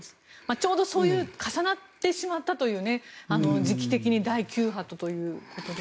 ちょうどそういう重なってしまったという時期的に第９波とということです。